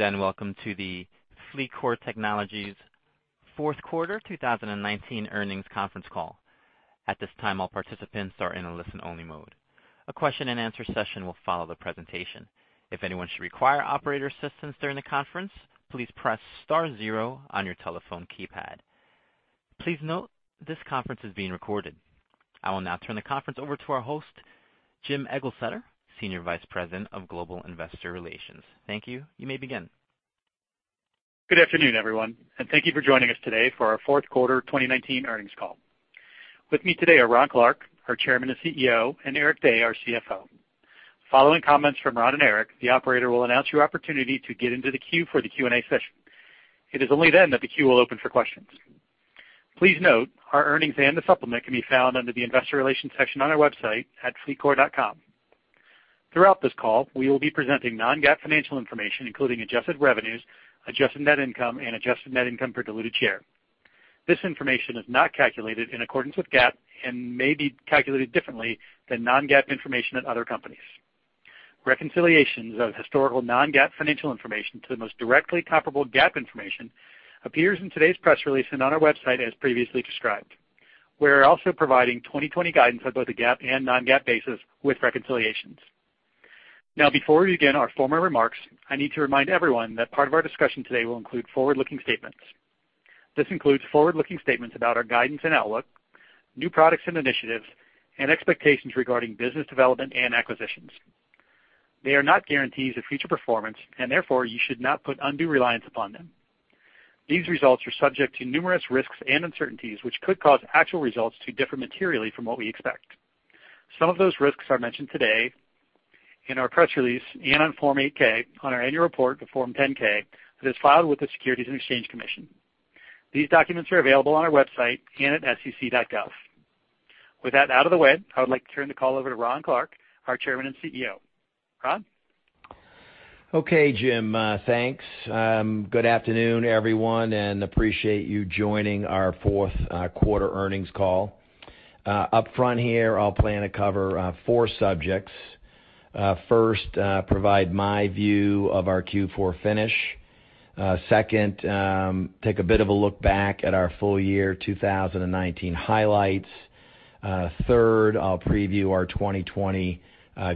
Welcome to the FLEETCOR Technologies fourth quarter 2019 earnings conference call. At this time, all participants are in a listen-only mode. A question and answer session will follow the presentation. If anyone should require operator assistance during the conference, please press star 0 on your telephone keypad. Please note this conference is being recorded. I will now turn the conference over to our host, Jim Eglseder, Senior Vice President of Global Investor Relations. Thank you. You may begin. Good afternoon, everyone, thank you for joining us today for our fourth quarter 2019 earnings call. With me today are Ron Clarke, our Chairman and CEO, and Eric Dey, our CFO. Following comments from Ron and Eric, the operator will announce your opportunity to get into the queue for the Q&A session. It is only then that the queue will open for questions. Please note our earnings and the supplement can be found under the investor relations section on our website at fleetcor.com. Throughout this call, we will be presenting non-GAAP financial information, including adjusted revenues, adjusted net income, and adjusted net income per diluted share. This information is not calculated in accordance with GAAP and may be calculated differently than non-GAAP information at other companies. Reconciliations of historical non-GAAP financial information to the most directly comparable GAAP information appears in today's press release and on our website as previously described. We are also providing 2020 guidance on both a GAAP and non-GAAP basis with reconciliations. Now, before we begin our formal remarks, I need to remind everyone that part of our discussion today will include forward-looking statements. This includes forward-looking statements about our guidance and outlook, new products and initiatives, and expectations regarding business development and acquisitions. They are not guarantees of future performance, and therefore, you should not put undue reliance upon them. These results are subject to numerous risks and uncertainties, which could cause actual results to differ materially from what we expect. Some of those risks are mentioned today in our press release and on Form 8-K, on our annual report, the Form 10-K, that is filed with the Securities and Exchange Commission. These documents are available on our website and at sec.gov. With that out of the way, I would like to turn the call over to Ron Clarke, our Chairman and CEO. Ron? Okay, Jim. Thanks. Good afternoon, everyone, appreciate you joining our fourth quarter earnings call. Upfront here, I'll plan to cover four subjects. First, provide my view of our Q4 finish. Second, take a bit of a look back at our full year 2019 highlights. Third, I'll preview our 2020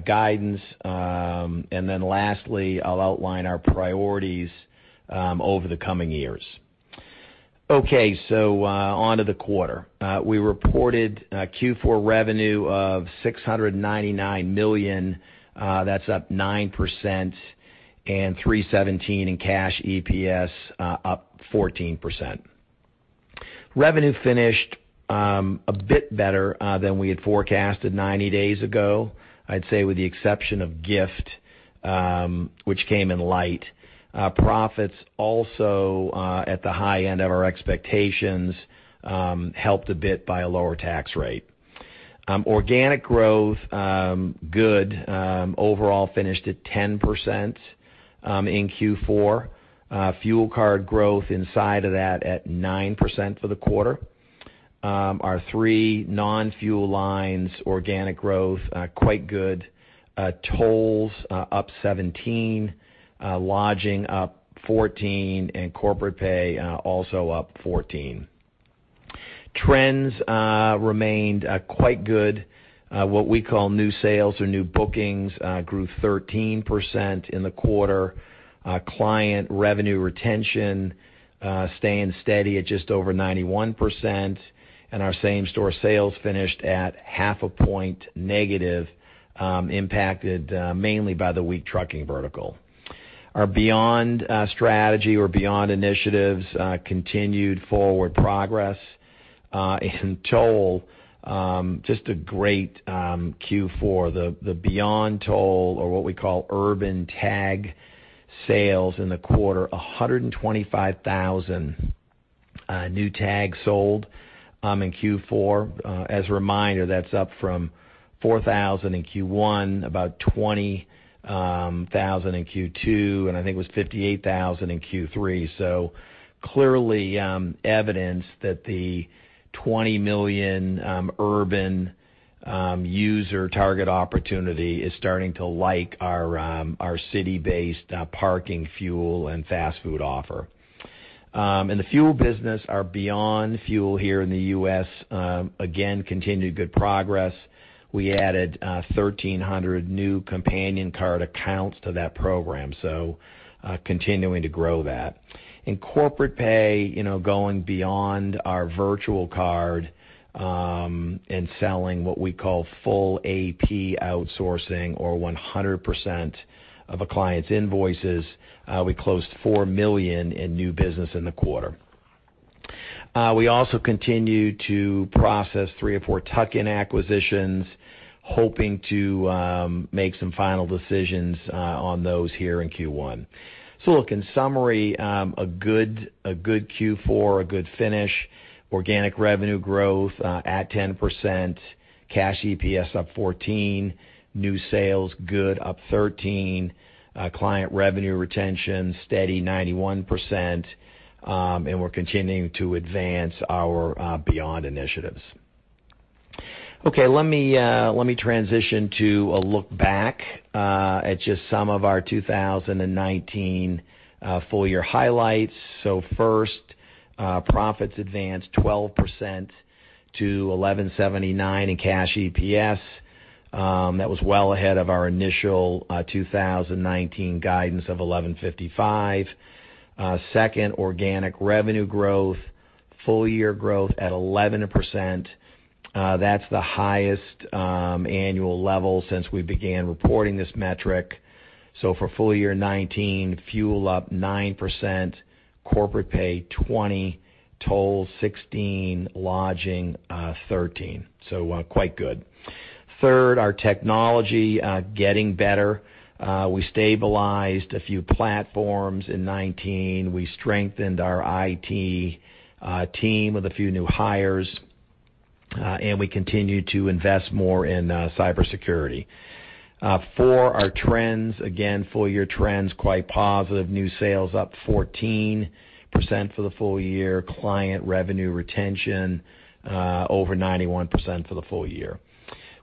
guidance. Lastly, I'll outline our priorities over the coming years. Okay, onto the quarter. We reported Q4 revenue of $699 million. That's up 9%, and $3.17 in cash EPS, up 14%. Revenue finished a bit better than we had forecasted 90 days ago, I'd say with the exception of gift, which came in light. Profits also at the high end of our expectations, helped a bit by a lower tax rate. Organic growth, good. Overall finished at 10% in Q4. Fuel card growth inside of that at 9% for the quarter. Our three non-fuel lines organic growth, quite good. Tolls up 17, lodging up 14, and Corpay also up 14. Trends remained quite good. What we call new sales or new bookings grew 13% in the quarter. Client revenue retention staying steady at just over 91%, and our same store sales finished at half a point negative, impacted mainly by the weak trucking vertical. Our Beyond strategy or Beyond initiatives continued forward progress. In toll, just a great Q4. The Beyond Toll, or what we call urban tag sales in the quarter, 125,000 new tags sold in Q4. As a reminder, that's up from 4,000 in Q1, about 20,000 in Q2, and I think it was 58,000 in Q3. Clearly evidence that the 20 million urban user target opportunity is starting to like our city-based parking, fuel, and fast food offer. In the fuel business, our Beyond Fuel here in the U.S., again, continued good progress. We added 1,300 new Companion Card accounts to that program, so continuing to grow that. In Corpay, going beyond our virtual card, and selling what we call full AP outsourcing, or 100% of a client's invoices. We closed $4 million in new business in the quarter. We also continue to process three or four tuck-in acquisitions, hoping to make some final decisions on those here in Q1. In summary, a good Q4, a good finish. Organic revenue growth at 10%, cash EPS up 14%, new sales good, up 13%, client revenue retention steady 91%, and we're continuing to advance our Beyond initiatives. Okay. Let me transition to a look back at just some of our 2019 full year highlights. First, profits advanced 12% to $11.79 in cash EPS. Organic revenue growth, full year growth at 11%. That's the highest annual level since we began reporting this metric. For full year 2019, fuel up 9%, corporate pay 20%, toll 16%, lodging 13%. Quite good. Third, our technology getting better. We stabilized a few platforms in 2019. We strengthened our IT team with a few new hires. We continued to invest more in cybersecurity. Four, our trends, again, full year trends, quite positive. New sales up 14% for the full year. Client revenue retention over 91% for the full year.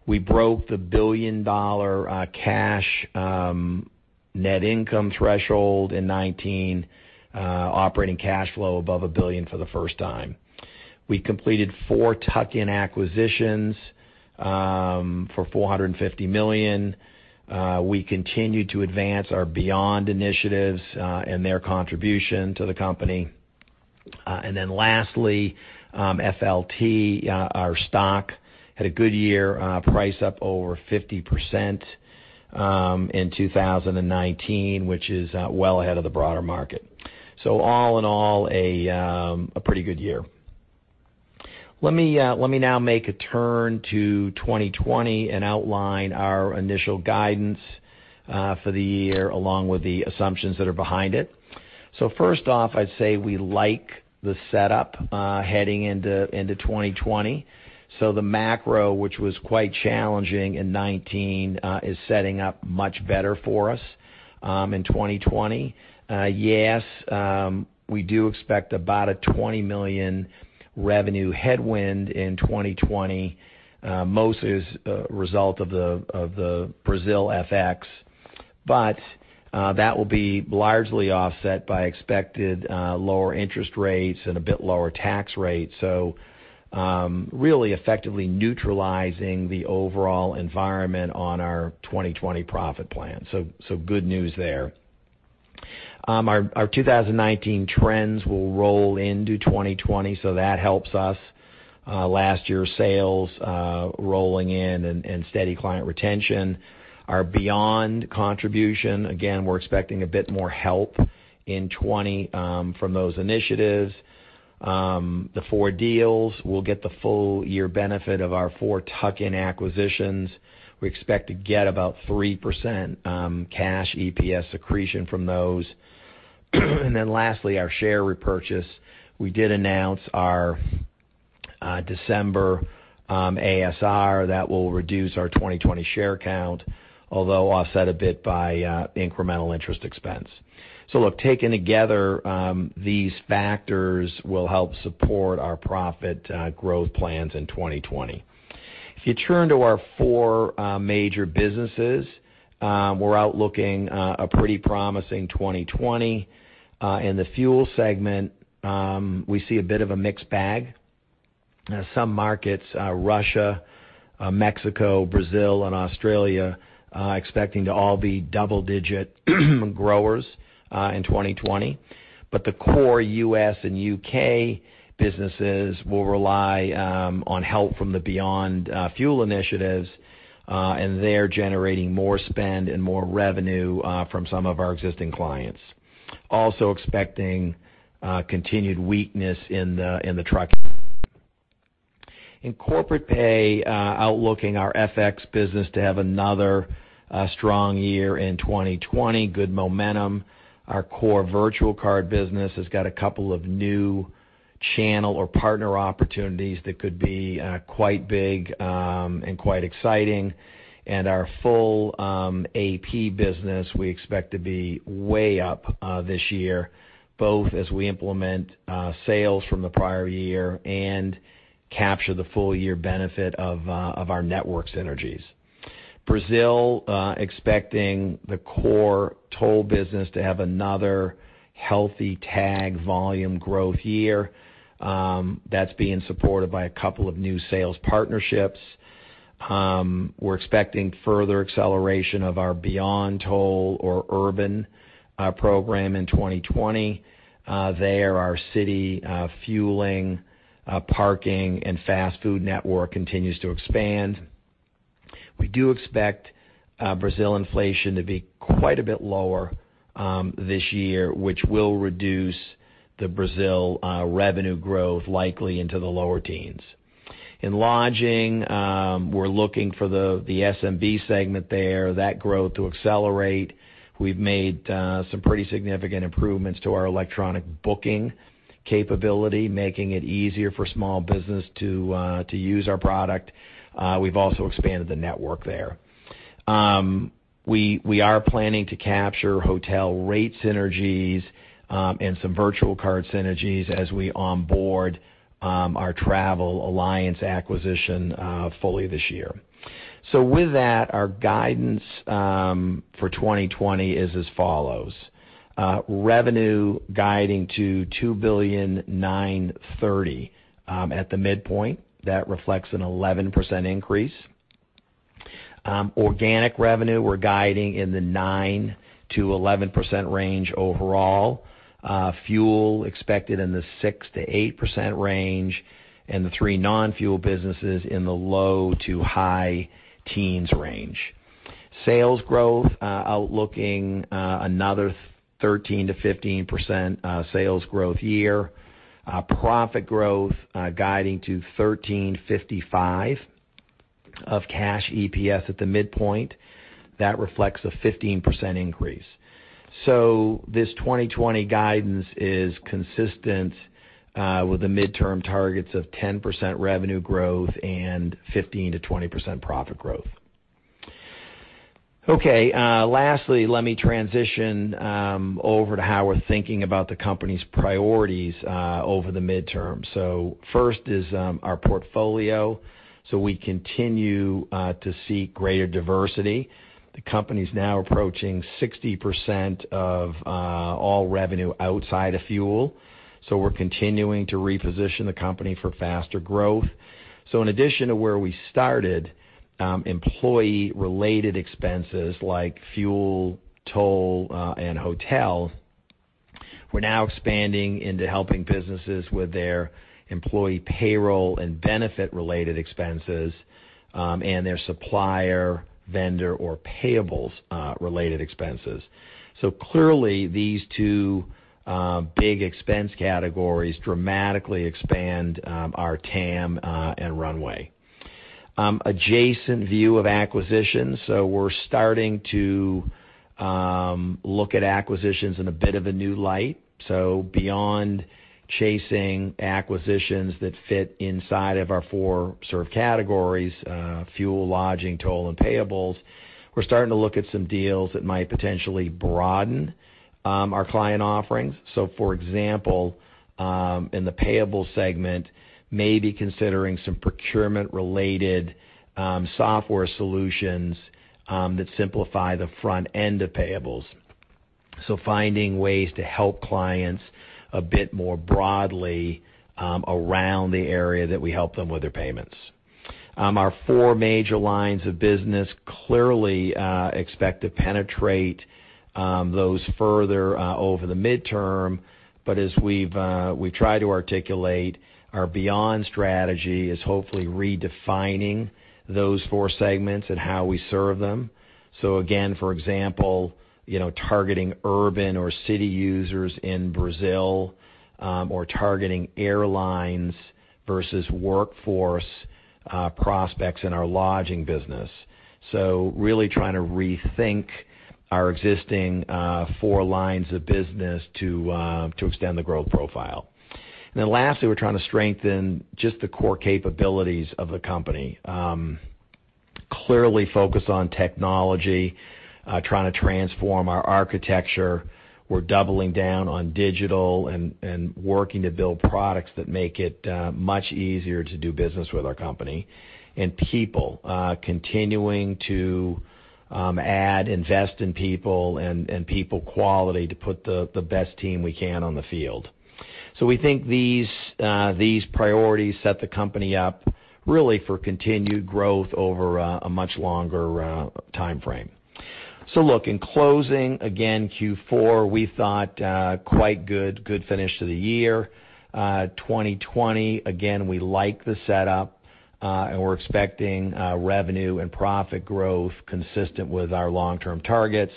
We broke the billion-dollar cash net income threshold in 2019, operating cash flow above $1 billion for the first time. We completed four tuck-in acquisitions for $450 million. We continued to advance our Beyond initiatives and their contribution to the company. Lastly, FLT, our stock, had a good year, price up over 50% in 2019, which is well ahead of the broader market. All in all, a pretty good year. Let me now make a turn to 2020 and outline our initial guidance for the year, along with the assumptions that are behind it. First off, I'd say we like the setup heading into 2020. The macro, which was quite challenging in 2019, is setting up much better for us in 2020. Yes, we do expect about a $20 million revenue headwind in 2020. Most is a result of the Brazil FX. That will be largely offset by expected lower interest rates and a bit lower tax rate. Really effectively neutralizing the overall environment on our 2020 profit plan. Good news there. Our 2019 trends will roll into 2020, so that helps us. Last year's sales rolling in and steady client retention. Our Beyond contribution, again, we're expecting a bit more help in 2020 from those initiatives. The four deals, we'll get the full year benefit of our four tuck-in acquisitions. We expect to get about 3% cash EPS accretion from those. Lastly, our share repurchase. We did announce our December ASR that will reduce our 2020 share count, although offset a bit by incremental interest expense. Taken together, these factors will help support our profit growth plans in 2020. If you turn to our four major businesses, we're outlooking a pretty promising 2020. In the fuel segment, we see a bit of a mixed bag. Some markets, Russia, Mexico, Brazil, and Australia, expecting to all be double-digit growers in 2020. The core U.S. and U.K. businesses will rely on help from the Beyond Fuel initiatives, and they're generating more spend and more revenue from some of our existing clients. Expecting continued weakness in the truck. In Corpay, outlooking our FX business to have another strong year in 2020. Good momentum. Our core virtual card business has got a couple of new channel or partner opportunities that could be quite big and quite exciting. Our full AP business we expect to be way up this year, both as we implement sales from the prior year and capture the full year benefit of our networks synergies. Brazil, expecting the core toll business to have another healthy tag volume growth year. That's being supported by a couple of new sales partnerships. We're expecting further acceleration of our Beyond Toll or urban program in 2020. There, our Citi fueling, parking, and fast food network continues to expand. We do expect Brazil inflation to be quite a bit lower this year, which will reduce the Brazil revenue growth likely into the lower teens. In lodging, we're looking for the SMB segment there, that growth to accelerate. We've made some pretty significant improvements to our electronic booking capability, making it easier for small business to use our product. We've also expanded the network there. We are planning to capture hotel rate synergies, and some virtual card synergies as we onboard our Travelliance acquisition fully this year. With that, our guidance for 2020 is as follows. Revenue guiding to $2.93 billion at the midpoint. That reflects an 11% increase. Organic revenue, we're guiding in the 9%-11% range overall. Fuel expected in the 6%-8% range, and the three non-fuel businesses in the low to high teens range. Sales growth, outlooking another 13%-15% sales growth year. Profit growth, guiding to $13.55 of cash EPS at the midpoint. That reflects a 15% increase. This 2020 guidance is consistent with the midterm targets of 10% revenue growth and 15%-20% profit growth. Okay. Lastly, let me transition over to how we're thinking about the company's priorities over the midterm. First is our portfolio. We continue to see greater diversity. The company's now approaching 60% of all revenue outside of fuel. We're continuing to reposition the company for faster growth. In addition to where we started, employee-related expenses like fuel, toll, and hotel, we're now expanding into helping businesses with their employee payroll and benefit-related expenses, and their supplier, vendor, or payables-related expenses. Clearly, these two big expense categories dramatically expand our TAM and runway. Adjacent view of acquisitions, so we're starting to look at acquisitions in a bit of a new light. Beyond chasing acquisitions that fit inside of our four sort of categories, fuel, lodging, toll, and payables, we're starting to look at some deals that might potentially broaden our client offerings. For example, in the payable segment, maybe considering some procurement-related software solutions that simplify the front end of payables. Finding ways to help clients a bit more broadly, around the area that we help them with their payments. Our four major lines of business clearly expect to penetrate those further over the midterm. As we try to articulate our Beyond strategy is hopefully redefining those four segments and how we serve them. Again, for example, targeting urban or city users in Brazil, or targeting airlines versus workforce prospects in our lodging business. Really trying to rethink our existing four lines of business to extend the growth profile. Lastly, we're trying to strengthen just the core capabilities of the company. Clearly focus on technology, trying to transform our architecture. We're doubling down on digital and working to build products that make it much easier to do business with our company. People, continuing to add, invest in people, and people quality to put the best team we can on the field. We think these priorities set the company up really for continued growth over a much longer timeframe. Look, in closing, again, Q4, we thought quite good finish to the year. 2020, again, we like the setup, and we're expecting revenue and profit growth consistent with our long-term targets.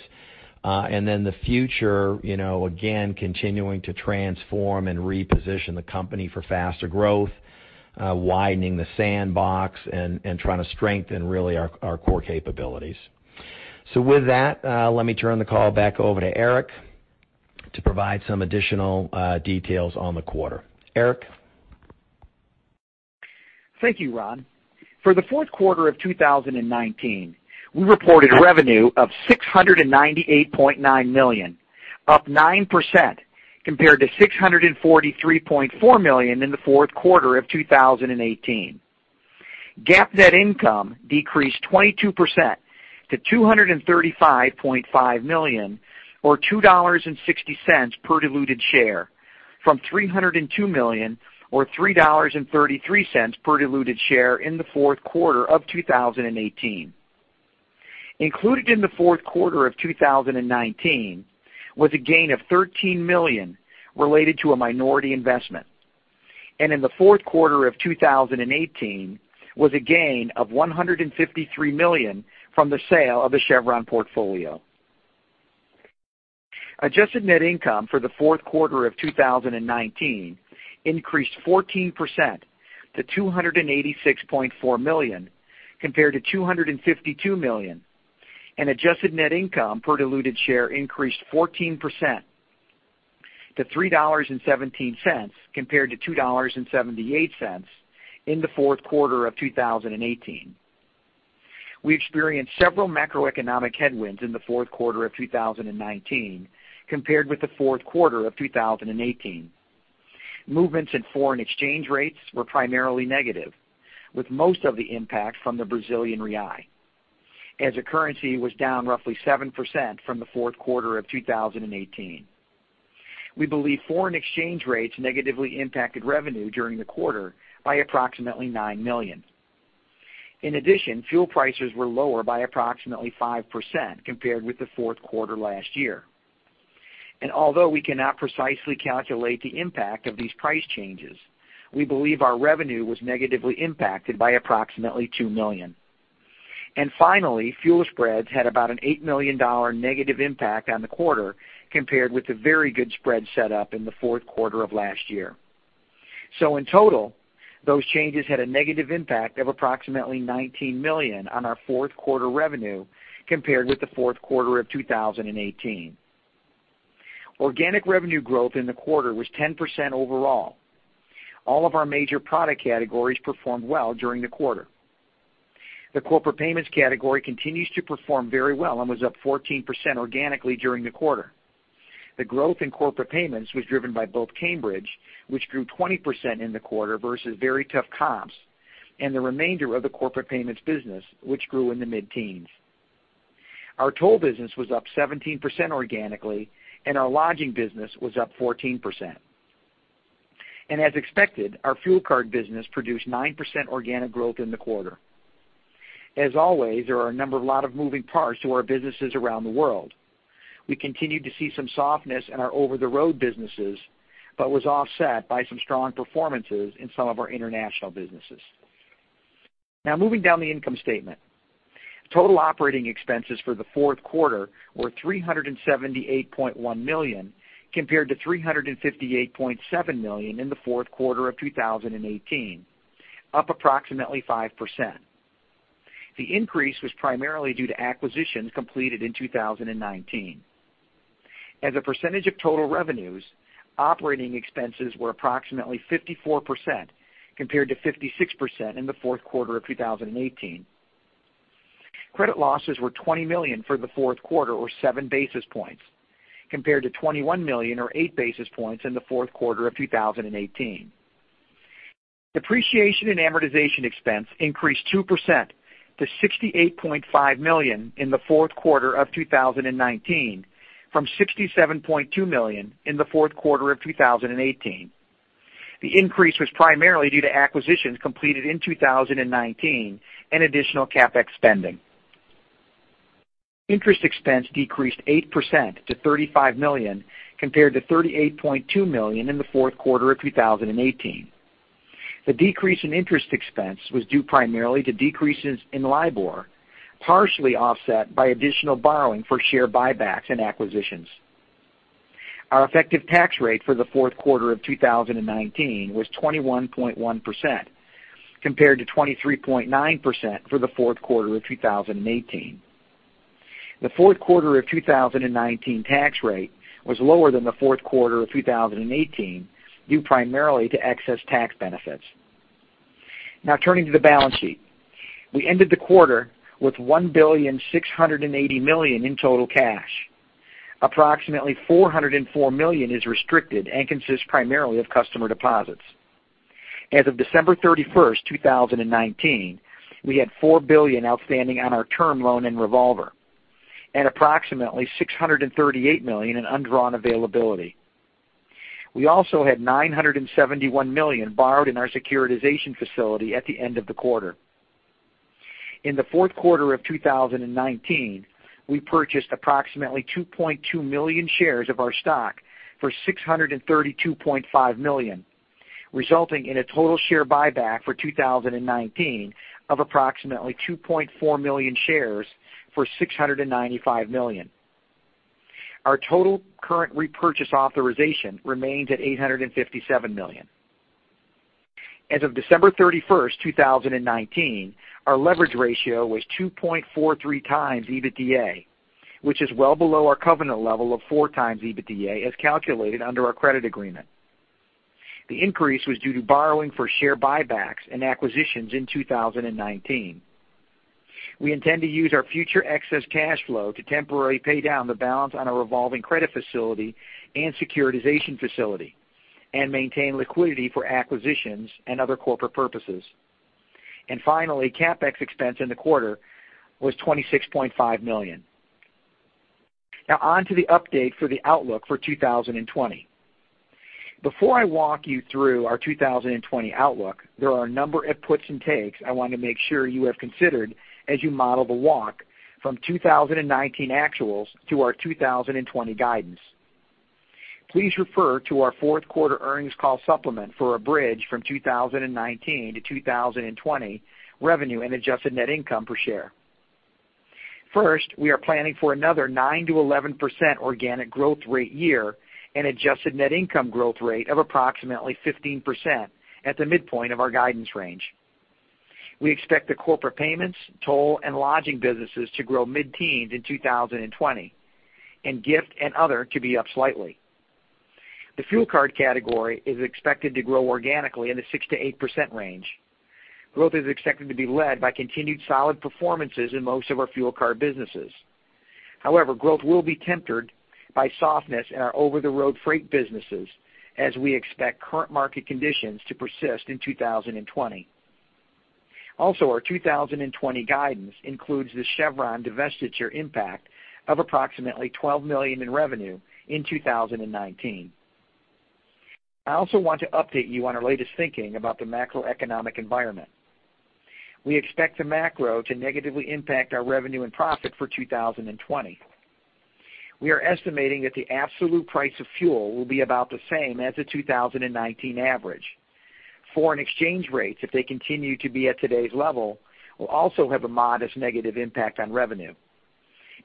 The future, again, continuing to transform and reposition the company for faster growth, widening the sandbox, and trying to strengthen really our core capabilities. With that, let me turn the call back over to Eric to provide some additional details on the quarter. Eric? Thank you, Ron. For the fourth quarter of 2019, we reported revenue of $698.9 million, up 9%, compared to $643.4 million in the fourth quarter of 2018. GAAP net income decreased 22% to $235.5 million, or $2.60 per diluted share, from $302 million or $3.33 per diluted share in the fourth quarter of 2018. Included in the fourth quarter of 2019 was a gain of $13 million related to a minority investment, and in the fourth quarter of 2018 was a gain of $153 million from the sale of the Chevron portfolio. Adjusted net income for the fourth quarter of 2019 increased 14% to $286.4 million, compared to $252 million. Adjusted net income per diluted share increased 14% to $3.17 compared to $2.78 in the fourth quarter of 2018. We experienced several macroeconomic headwinds in the fourth quarter of 2019 compared with the fourth quarter of 2018. Movements in foreign exchange rates were primarily negative, with most of the impact from the Brazilian real, as the currency was down roughly 7% from the fourth quarter of 2018. We believe foreign exchange rates negatively impacted revenue during the quarter by approximately $9 million. Fuel prices were lower by approximately 5% compared with the fourth quarter last year. Although we cannot precisely calculate the impact of these price changes, we believe our revenue was negatively impacted by approximately $2 million. Finally, fuel spreads had about an $8 million negative impact on the quarter compared with the very good spread setup in the fourth quarter of last year. In total, those changes had a negative impact of approximately $19 million on our fourth quarter revenue compared with the fourth quarter of 2018. Organic revenue growth in the quarter was 10% overall. All of our major product categories performed well during the quarter. The corporate payments category continues to perform very well and was up 14% organically during the quarter. The growth in corporate payments was driven by both Cambridge, which grew 20% in the quarter versus very tough comps, and the remainder of the corporate payments business, which grew in the mid-teens. Our toll business was up 17% organically, and our lodging business was up 14%. As expected, our fuel card business produced 9% organic growth in the quarter. As always, there are a number of lot of moving parts to our businesses around the world. We continued to see some softness in our over-the-road businesses, but was offset by some strong performances in some of our international businesses. Now moving down the income statement. Total operating expenses for the fourth quarter were $378.1 million, compared to $358.7 million in the fourth quarter of 2018, up approximately 5%. The increase was primarily due to acquisitions completed in 2019. As a percentage of total revenues, operating expenses were approximately 54% compared to 56% in the fourth quarter of 2018. Credit losses were $20 million for the fourth quarter, or seven basis points, compared to $21 million or eight basis points in the fourth quarter of 2018. Depreciation and amortization expense increased 2% to $68.5 million in the fourth quarter of 2019 from $67.2 million in the fourth quarter of 2018. The increase was primarily due to acquisitions completed in 2019 and additional CapEx spending. Interest expense decreased 8% to $35 million, compared to $38.2 million in the fourth quarter of 2018. The decrease in interest expense was due primarily to decreases in LIBOR, partially offset by additional borrowing for share buybacks and acquisitions. Our effective tax rate for the fourth quarter of 2019 was 21.1% compared to 23.9% for the fourth quarter of 2018. The fourth quarter of 2019 tax rate was lower than the fourth quarter of 2018, due primarily to excess tax benefits. Now turning to the balance sheet. We ended the quarter with $1,680 million in total cash. Approximately $404 million is restricted and consists primarily of customer deposits. As of December 31st, 2019, we had $4 billion outstanding on our term loan and revolver and approximately $638 million in undrawn availability. We also had $971 million borrowed in our securitization facility at the end of the quarter. In the fourth quarter of 2019, we purchased approximately 2.2 million shares of our stock for $632.5 million, resulting in a total share buyback for 2019 of approximately 2.4 million shares for $695 million. Our total current repurchase authorization remains at $857 million. As of December 31st, 2019, our leverage ratio was 2.43 times EBITDA, which is well below our covenant level of four times EBITDA as calculated under our credit agreement. The increase was due to borrowing for share buybacks and acquisitions in 2019. We intend to use our future excess cash flow to temporarily pay down the balance on our revolving credit facility and securitization facility and maintain liquidity for acquisitions and other corporate purposes. Finally, CapEx expense in the quarter was $26.5 million. On to the update for the outlook for 2020. Before I walk you through our 2020 outlook, there are a number of puts and takes I want to make sure you have considered as you model the walk from 2019 actuals to our 2020 guidance. Please refer to our fourth quarter earnings call supplement for a bridge from 2019 to 2020 revenue and adjusted net income per share. First, we are planning for another 9%-11% organic growth rate year and adjusted net income growth rate of approximately 15% at the midpoint of our guidance range. We expect the corporate payments, toll, and lodging businesses to grow mid-teens in 2020, and gift and other to be up slightly. The fuel card category is expected to grow organically in the 6%-8% range. Growth is expected to be led by continued solid performances in most of our fuel card businesses. However, growth will be tempered by softness in our over-the-road freight businesses, as we expect current market conditions to persist in 2020. Our 2020 guidance includes the Chevron divestiture impact of approximately $12 million in revenue in 2019. I also want to update you on our latest thinking about the macroeconomic environment. We expect the macro to negatively impact our revenue and profit for 2020. We are estimating that the absolute price of fuel will be about the same as the 2019 average. Foreign exchange rates, if they continue to be at today's level, will also have a modest negative impact on revenue,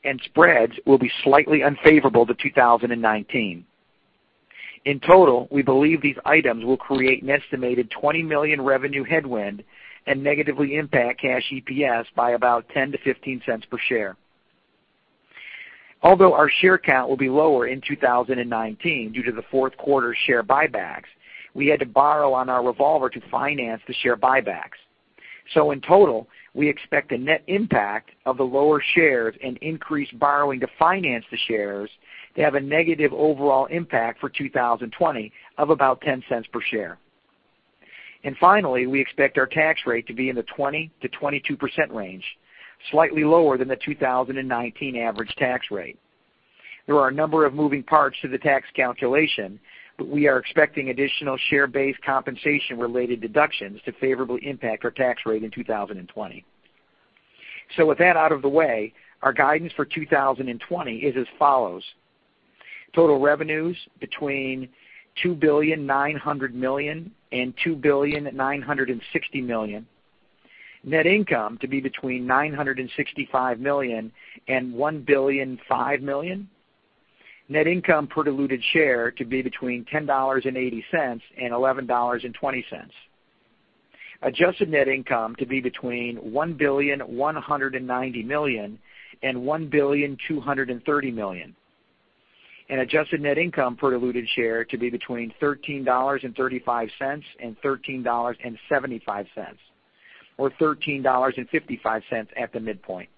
and spreads will be slightly unfavorable to 2019. In total, we believe these items will create an estimated $20 million revenue headwind and negatively impact cash EPS by about $0.10-$0.15 per share. Although our share count will be lower in 2019 due to the fourth quarter share buybacks, we had to borrow on our revolver to finance the share buybacks. In total, we expect the net impact of the lower shares and increased borrowing to finance the shares to have a negative overall impact for 2020 of about $0.10 per share. Finally, we expect our tax rate to be in the 20%-22% range, slightly lower than the 2019 average tax rate. There are a number of moving parts to the tax calculation, but we are expecting additional share-based compensation related deductions to favorably impact our tax rate in 2020. With that out of the way, our guidance for 2020 is as follows. Total revenues between $2.9 billion-$2.96 billion. Net income to be between $965 million-$1.005 billion. Net income per diluted share to be between $10.80 and $11.20. Adjusted net income to be between $1.19 billion-$1.23 billion. Adjusted net income per diluted share to be between $13.35 and $13.75, or $13.55 at the midpoint.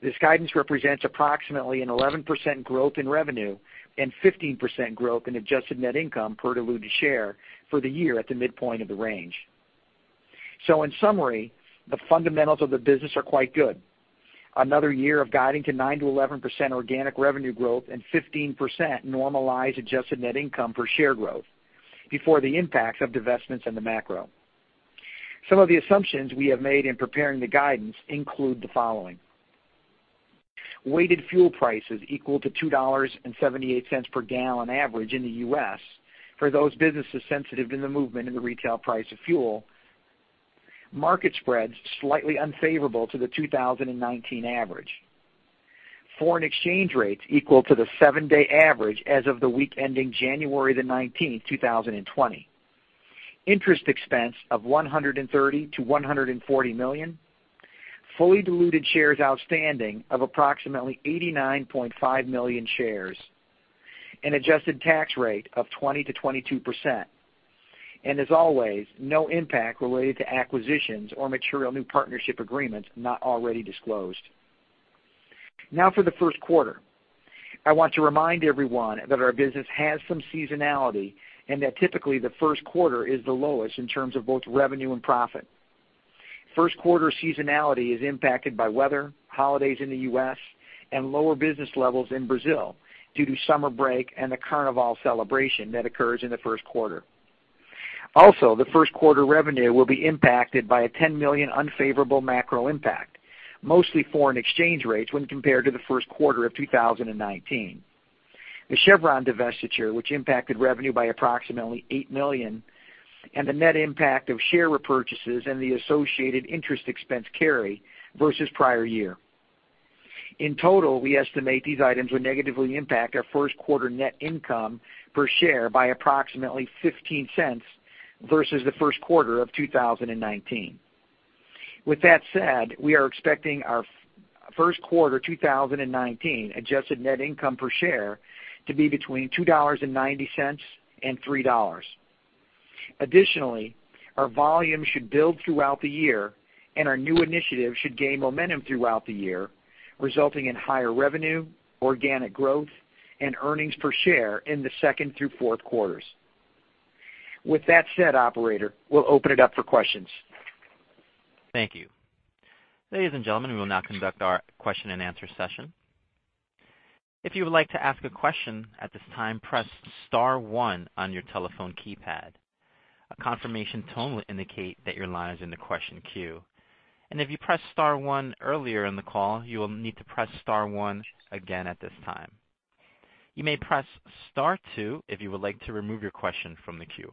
This guidance represents approximately an 11% growth in revenue and 15% growth in adjusted net income per diluted share for the year at the midpoint of the range. In summary, the fundamentals of the business are quite good. Another year of guiding to 9%-11% organic revenue growth and 15% normalized adjusted net income per share growth before the impacts of divestments in the macro. Some of the assumptions we have made in preparing the guidance include the following: Weighted fuel prices equal to $2.78 per gallon average in the U.S. for those businesses sensitive to the movement in the retail price of fuel. Market spreads slightly unfavorable to the 2019 average. Foreign exchange rates equal to the seven-day average as of the week ending January 19, 2020. Interest expense of $130 million-$140 million. Fully diluted shares outstanding of approximately 89.5 million shares. An adjusted tax rate of 20%-22%. As always, no impact related to acquisitions or material new partnership agreements not already disclosed. Now for the first quarter. I want to remind everyone that our business has some seasonality and that typically the first quarter is the lowest in terms of both revenue and profit. First quarter seasonality is impacted by weather, holidays in the U.S., and lower business levels in Brazil due to summer break and the Carnival celebration that occurs in the first quarter. The first quarter revenue will be impacted by a $10 million unfavorable macro impact, mostly foreign exchange rates when compared to the first quarter of 2019. The Chevron divestiture, which impacted revenue by approximately $8 million, and the net impact of share repurchases and the associated interest expense carry versus prior year. In total, we estimate these items will negatively impact our first quarter net income per share by approximately $0.15 versus the first quarter of 2019. With that said, we are expecting our first quarter 2019 adjusted net income per share to be between $2.90 and $3. Additionally, our volume should build throughout the year, and our new initiatives should gain momentum throughout the year, resulting in higher revenue, organic growth, and earnings per share in the second through fourth quarters. With that said, operator, we'll open it up for questions. Thank you. Ladies and gentlemen, we will now conduct our question and answer session. If you would like to ask a question at this time, press star one on your telephone keypad. A confirmation tone will indicate that your line is in the question queue. If you pressed star one earlier in the call, you will need to press star one again at this time. You may press star two if you would like to remove your question from the queue.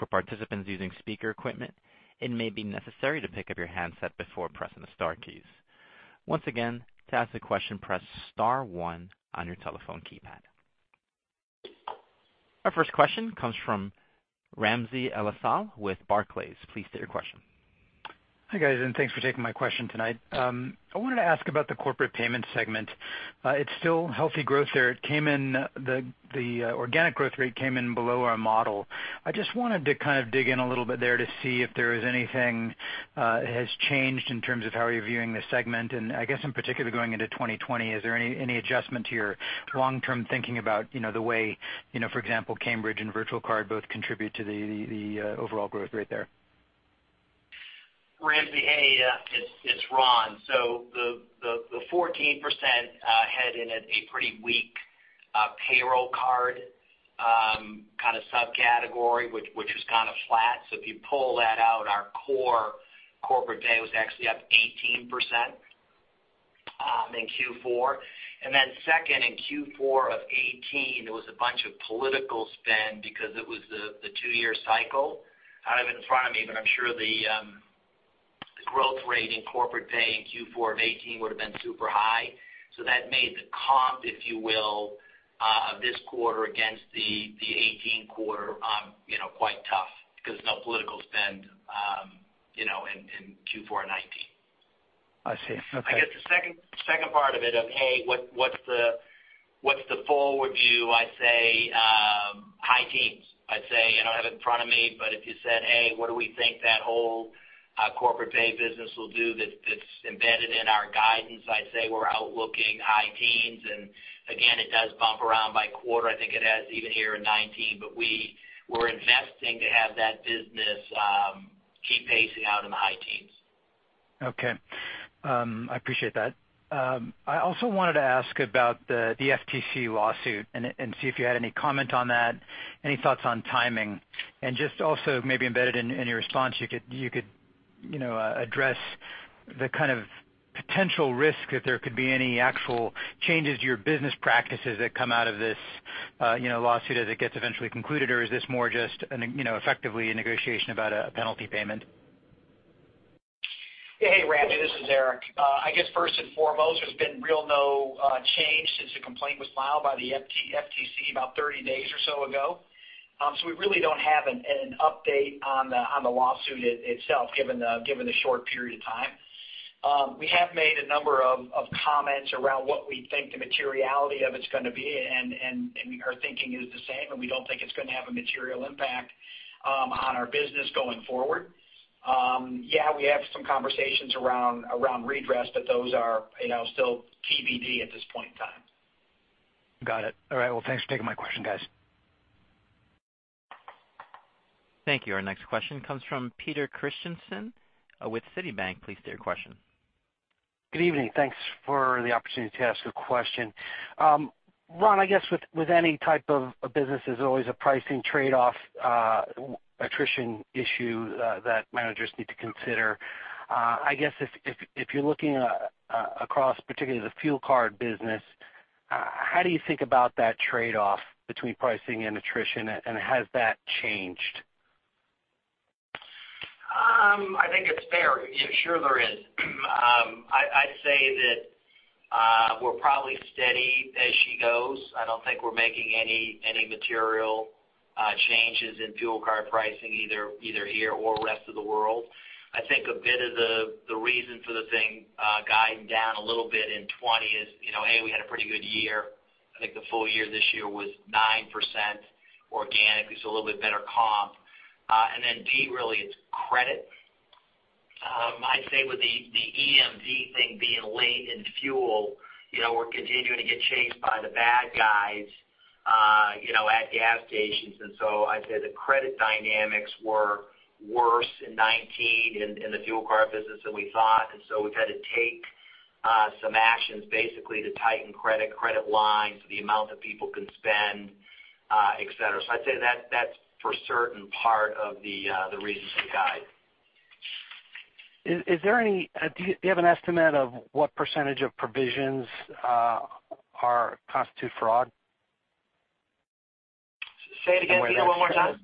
For participants using speaker equipment, it may be necessary to pick up your handset before pressing the star keys. Once again, to ask a question, press star one on your telephone keypad. Our first question comes from Ramsey El-Assal with Barclays. Please state your question. Hi, guys, thanks for taking my question tonight. I wanted to ask about the Corporate Payment segment. It is still healthy growth there. The organic growth rate came in below our model. I just wanted to kind of dig in a little bit there to see if there is anything has changed in terms of how you are viewing the segment, and I guess in particular, going into 2020, is there any adjustment to your long-term thinking about the way, for example, Cambridge and virtual card both contribute to the overall growth rate there? Ramsey, hey, it's Ron. The 14% had in it a pretty weak payroll card subcategory, which was kind of flat. If you pull that out, our core corporate pay was actually up 18% in Q4. Second, in Q4 of 2018, there was a bunch of political spend because it was the two-year cycle. I don't have it in front of me, but I'm sure the growth rate in corporate pay in Q4 of 2018 would've been super high. That made the comp, if you will, of this quarter against the 2018 quarter quite tough because there's no political spend in Q4 2019. I see. Okay. I guess the second part of it of, hey, what's the forward view? I'd say high teens. I'd say I don't have it in front of me, but if you said, "Hey, what do we think that whole corporate pay business will do that's embedded in our guidance?" I'd say we're outlooking high teens. Again, it does bump around by quarter. I think it has even here in 2019, but we're investing to have that business keep pacing out in the high teens. Okay. I appreciate that. I also wanted to ask about the FTC lawsuit and see if you had any comment on that, any thoughts on timing, and just also maybe embedded in your response, you could address the kind of potential risk if there could be any actual changes to your business practices that come out of this lawsuit as it gets eventually concluded. Is this more just effectively a negotiation about a penalty payment? Hey, Ramsey, this is Eric. I guess first and foremost, there's been real no change since the complaint was filed by the FTC about 30 days or so ago. We really don't have an update on the lawsuit itself given the short period of time. We have made a number of comments around what we think the materiality of it's going to be, and our thinking is the same, and we don't think it's going to have a material impact on our business going forward. Yeah, we have some conversations around redress, but those are still TBD at this point in time. Got it. All right. Well, thanks for taking my question, guys. Thank you. Our next question comes from Peter Christiansen with Citibank. Please state your question. Good evening. Thanks for the opportunity to ask a question. Ron, I guess with any type of business, there's always a pricing trade-off attrition issue that managers need to consider. I guess if you're looking across particularly the fuel card business, how do you think about that trade-off between pricing and attrition, and has that changed? I think it's fair. Sure there is. I'd say that we're probably steady as she goes. I don't think we're making any material changes in fuel card pricing either here or rest of the world. I think a bit of the reason for the thing guiding down a little bit in 2020 is, A. We had a pretty good year. I think the full year this year was 9% organic. It's a little bit better comp. B. Really, it's credit. I'd say with the EMV thing being late in fuel, we're continuing to get chased by the bad guys at gas stations. I'd say the credit dynamics were worse in 2019 in the fuel card business than we thought. We've had to take some actions basically to tighten credit lines to the amount that people can spend et cetera. I'd say that's for a certain part of the reasons we guide. Do you have an estimate of what percentage of provisions constitute fraud? Say it again, Peter, one more time.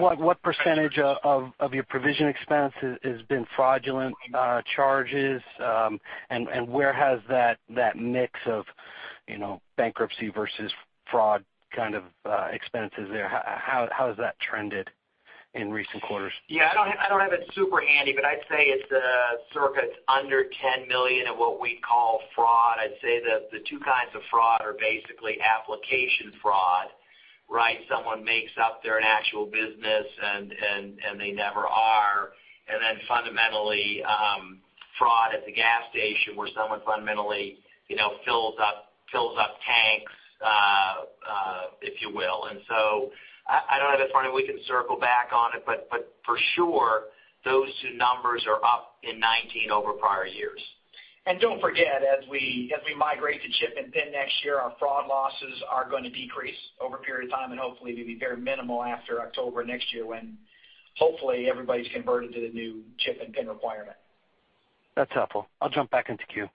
What percentage of your provision expense has been fraudulent charges, and where has that mix of bankruptcy versus fraud kind of expenses there, how has that trended in recent quarters? Yeah, I don't have it super handy, but I'd say it's circa under $10 million of what we'd call fraud. I'd say the two kinds of fraud are basically application fraud. Someone makes up they're an actual business, and they never are. Fundamentally, fraud at the gas station where someone fundamentally fills up tanks if you will. I don't have it in front of me. We can circle back on it. For sure, those two numbers are up in 2019 over prior years. Don't forget, as we migrate to chip and PIN next year, our fraud losses are going to decrease over a period of time and hopefully be very minimal after October next year when hopefully everybody's converted to the new chip and PIN requirement. That's helpful. I'll jump back into queue.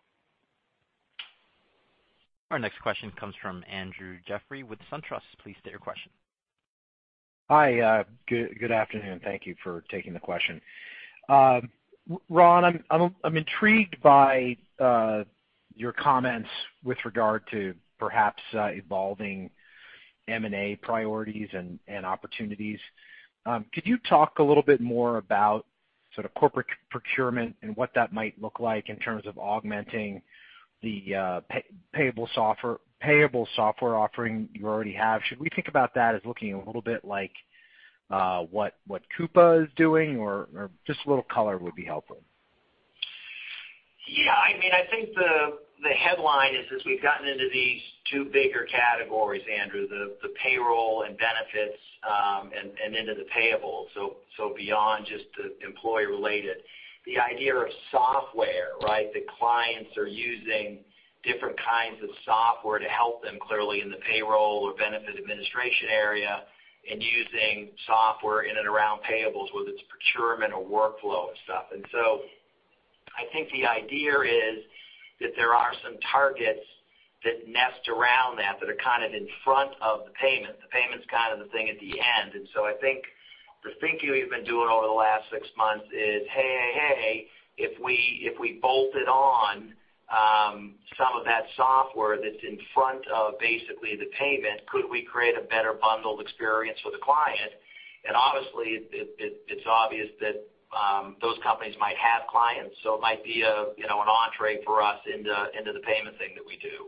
Our next question comes from Andrew Jeffrey with SunTrust. Please state your question. Hi, good afternoon. Thank you for taking the question. Ron, I'm intrigued by your comments with regard to perhaps evolving M&A priorities and opportunities. Could you talk a little bit more about corporate procurement and what that might look like in terms of augmenting the payable software offering you already have? Should we think about that as looking a little bit like what Coupa is doing, or just a little color would be helpful? I think the headline is, we've gotten into these two bigger categories, Andrew, the payroll and benefits, and into the payables, so beyond just the employee-related. The idea of software, right? That clients are using different kinds of software to help them, clearly in the payroll or benefit administration area, and using software in and around payables, whether it's procurement or workflow and stuff. I think the idea is that there are some targets that nest around that are kind of in front of the payment. The payment's kind of the thing at the end. I think the thinking we've been doing over the last six months is, hey, if we bolted on some of that software that's in front of basically the payment, could we create a better bundled experience for the client? Obviously, it's obvious that those companies might have clients, so it might be an entrée for us into the payment thing that we do.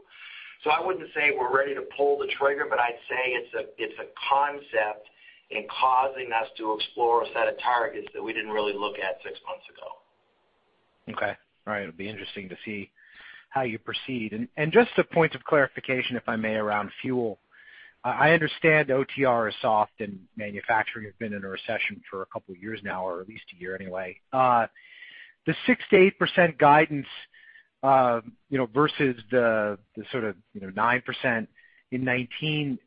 I wouldn't say we're ready to pull the trigger, but I'd say it's a concept in causing us to explore a set of targets that we didn't really look at six months ago. Okay. All right. It'll be interesting to see how you proceed. Just a point of clarification, if I may, around fuel. I understand OTR is soft and manufacturing has been in a recession for a couple of years now, or at least a year anyway. The 6%-8% guidance, versus the sort of 9% in 2019,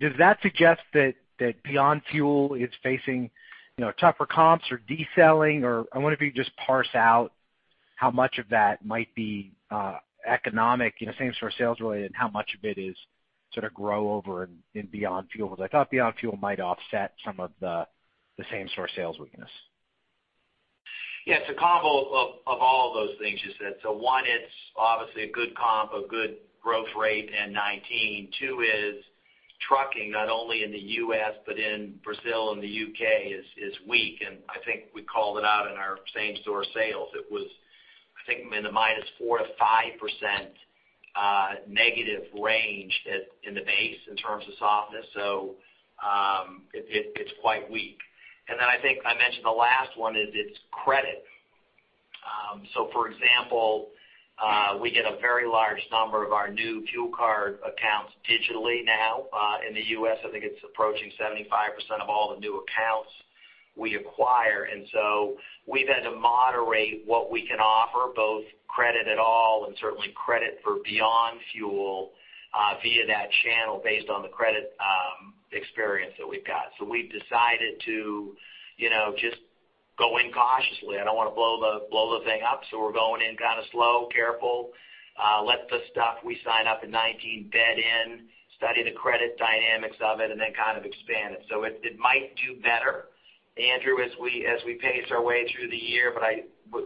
does that suggest that Beyond Fuel is facing tougher comps or deselling? I wonder if you could just parse out how much of that might be economic, same-store sales related, and how much of it is sort of grow over and Beyond Fuel. Because I thought Beyond Fuel might offset some of the same-store sales weakness. Yeah. It's a combo of all of those things you said. One, it's obviously a good comp, a good growth rate in 2019. Two is trucking, not only in the U.S. but in Brazil and the U.K., is weak. I think we called it out in our same-store sales. It was, I think, in the -4% to -5% negative range in the base in terms of softness. It's quite weak. Then I think I mentioned the last one is its credit. For example, we get a very large number of our new fuel card accounts digitally now. In the U.S., I think it's approaching 75% of all the new accounts we acquire. We've had to moderate what we can offer, both credit at all and certainly credit for Beyond Fuel, via that channel based on the credit experience that we've got. We've decided to just go in cautiously. I don't want to blow the thing up, we're going in kind of slow, careful, let the stuff we sign up in 2019 bed in, study the credit dynamics of it, and then kind of expand it. It might do better, Andrew, as we pace our way through the year.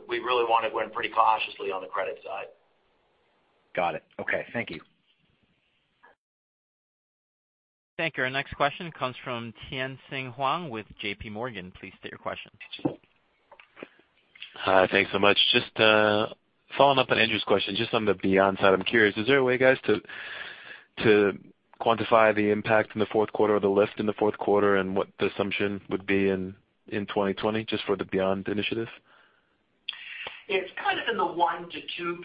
We really want to go in pretty cautiously on the credit side. Got it. Okay. Thank you. Thank you. Our next question comes from Tien-Tsin Huang with JPMorgan. Please state your question. Hi. Thanks so much. Just following up on Andrew's question, just on the Beyond side, I'm curious, is there a way, guys, to quantify the impact in the fourth quarter or the lift in the fourth quarter and what the assumption would be in 2020 just for the Beyond initiative? It's kind of in the 1%-2%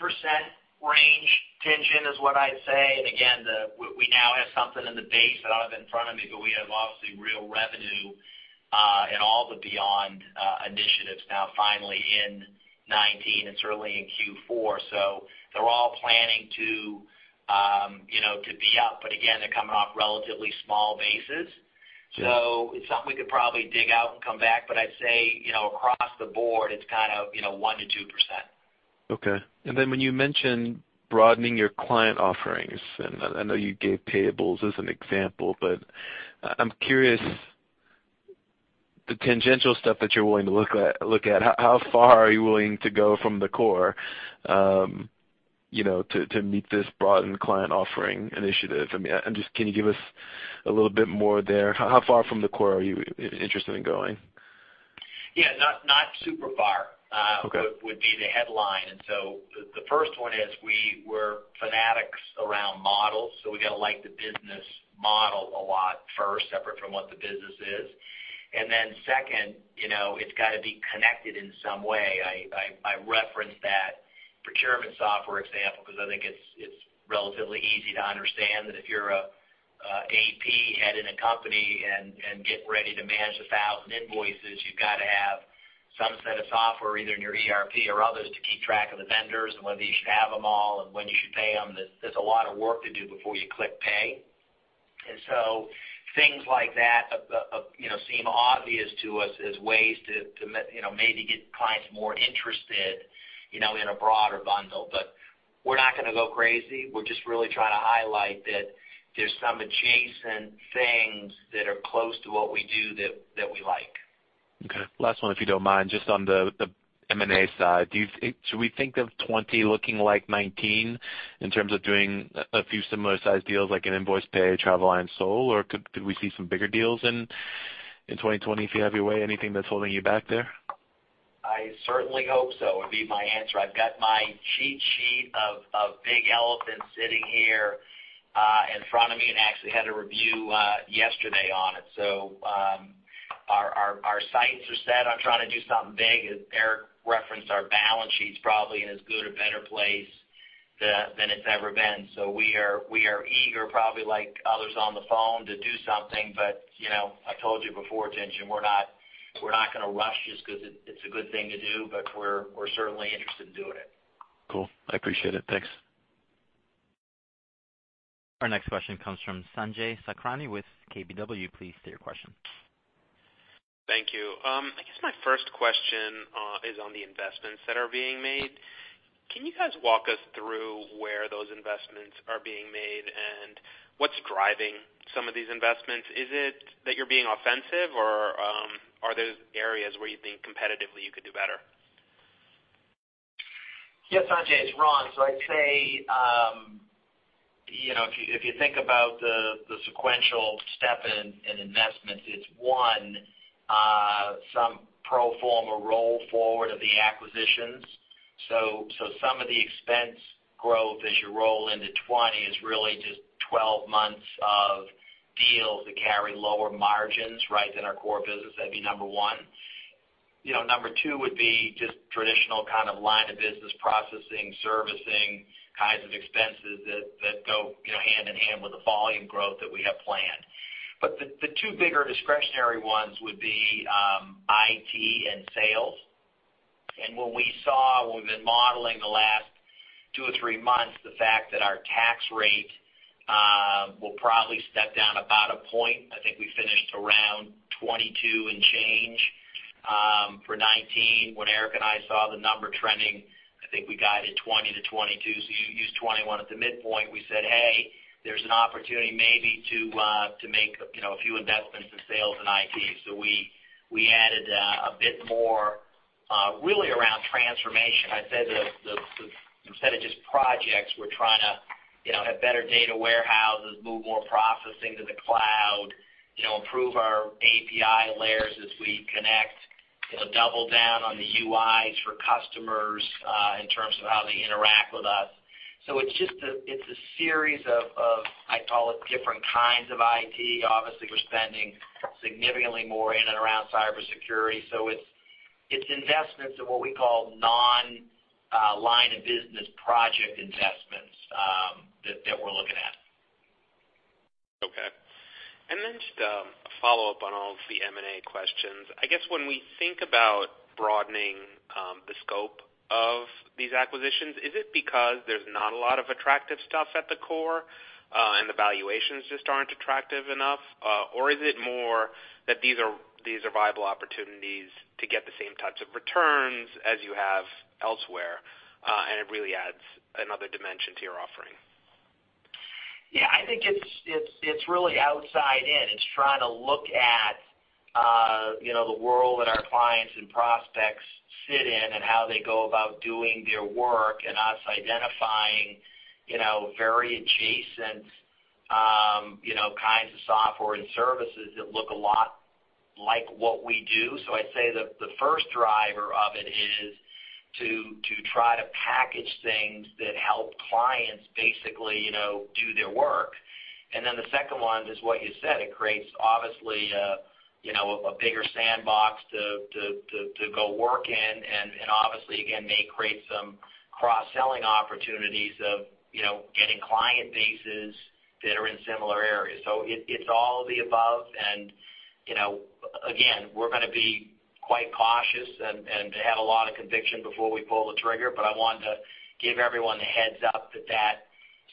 range, Tien-Tsin, is what I'd say. Again, we now have something in the base. I don't have it in front of me. We have obviously real revenue in all the Beyond initiatives now finally in 2019 and certainly in Q4. They're all planning to be up. Again, they're coming off relatively small bases. It's something we could probably dig out and come back. I'd say, across the board, it's kind of 1%-2%. Okay. When you mention broadening your client offerings, and I know you gave payables as an example, but I'm curious, the tangential stuff that you're willing to look at, how far are you willing to go from the core to meet this broadened client offering initiative? I mean, can you give us a little bit more there? How far from the core are you interested in going? Yeah. Okay. Not super far would be the headline. The first one is, we were fanatics around models, so we got to like the business model a lot first, separate from what the business is. Second, it's got to be connected in some way. I referenced that procurement software example because I think it's relatively easy to understand that if you're an AP head in a company and getting ready to manage 1,000 invoices, you've got to have some set of software, either in your ERP or others, to keep track of the vendors and whether you should have them all and when you should pay them. There's a lot of work to do before you click pay. Things like that seem obvious to us as ways to maybe get clients more interested in a broader bundle. We're not going to go crazy. We're just really trying to highlight that there's some adjacent things that are close to what we do that we like. Okay. Last one, if you don't mind, just on the M&A side. Should we think of 2020 looking like 2019 in terms of doing a few similar size deals like an Nvoicepay, TravelBank, SOLE Financial, or could we see some bigger deals in 2020 if you have your way? Anything that's holding you back there? I certainly hope so, would be my answer. I've got my cheat sheet of big elephants sitting here in front of me, and actually had a review yesterday on it. Our sights are set on trying to do something big. As Eric referenced, our balance sheet's probably in as good or better place than it's ever been. We are eager, probably like others on the phone, to do something. I told you before, Tien-Tsin, we're not going to rush just because it's a good thing to do, but we're certainly interested in doing it. Cool. I appreciate it. Thanks. Our next question comes from Sanjay Sakhrani with KBW. Please state your question. Thank you. I guess my first question is on the investments that are being made. Can you guys walk us through where those investments are being made, and what's driving some of these investments? Is it that you're being offensive, or are those areas where you think competitively you could do better? Yes, Sanjay, it's Ron. I'd say, if you think about the sequential step in investments, it's one, some pro forma roll forward of the acquisitions. Some of the expense growth as you roll into 2020 is really just 12 months of deals that carry lower margins than our core business. That'd be number one. Number two would be just traditional kind of line of business processing, servicing kinds of expenses that go hand in hand with the volume growth that we have planned. The two bigger discretionary ones would be IT and sales. What we saw, we've been modeling the last two or three months, the fact that our tax rate will probably step down about a point. I think we finished around 22 and change for 2019. When Eric and I saw the number trending, I think we guided 20%-22%. You use 21 at the midpoint. We said, "Hey, there's an opportunity maybe to make a few investments in sales and IT." We added a bit more really around transformation. I'd say that instead of just projects, we're trying to have better data warehouses, move more processing to the cloud, improve our API layers as we connect, to double down on the UIs for customers in terms of how they interact with us. It's a series of, I call it different kinds of IT. Obviously, we're spending significantly more in and around cybersecurity. It's investments in what we call non-line of business project investments that we're looking at. Okay. Just a follow-up on all of the M&A questions. I guess when we think about broadening the scope of these acquisitions, is it because there's not a lot of attractive stuff at the core and the valuations just aren't attractive enough? Is it more that these are viable opportunities to get the same types of returns as you have elsewhere, and it really adds another dimension to your offering? I think it's really outside in. It's trying to look at the world that our clients and prospects sit in and how they go about doing their work and us identifying very adjacent kinds of software and services that look a lot like what we do. I'd say the first driver of it is to try to package things that help clients basically do their work. Then the second one is what you said. It creates obviously a bigger sandbox to go work in, and obviously, again, may create some cross-selling opportunities of getting client bases that are in similar areas. It's all of the above. Again, we're going to be quite cautious and to have a lot of conviction before we pull the trigger, but I wanted to give everyone a heads up that